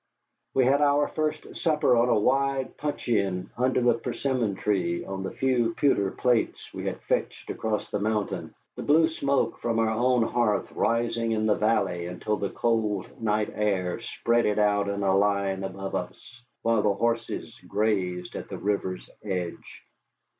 We had our first supper on a wide puncheon under the persimmon tree on the few pewter plates we had fetched across the mountain, the blue smoke from our own hearth rising in the valley until the cold night air spread it out in a line above us, while the horses grazed at the river's edge.